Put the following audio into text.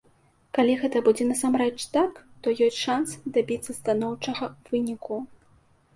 Калі гэта будзе насамрэч так, то ёсць шанс дабіцца станоўчага выніку.